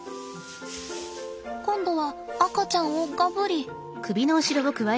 今度は赤ちゃんをガブリ。